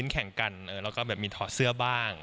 แข่งกันแล้วก็แบบมีถอดเสื้อบ้าง